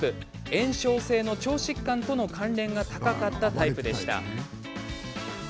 炎症性の腸疾患との関連が高かったタイプでした。